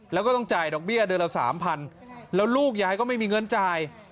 แล้วก็ต้องจ่ายดอกเบี้ยเดือนละ๓๐๐แล้วลูกยายก็ไม่มีเงินจ่าย